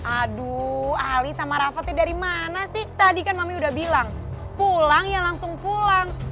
aduh ali sama rafatnya dari mana sih tadi kan mami udah bilang pulang ya langsung pulang